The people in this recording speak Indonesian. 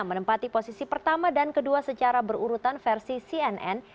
menempati posisi pertama dan kedua secara berurutan versi cnn